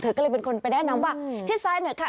เธอก็เลยเป็นคนเป็นแนะนำว่าที่ซ้ายเนอะค่ะ